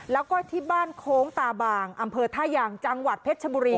แล้วก็ที่บ้านโค้งตาบางอำเภอท่ายางจังหวัดเพชรชบุรี